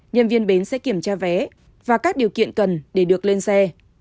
nhân viên bến sẽ kiểm tra vé và các điều kiện cần để được lên xe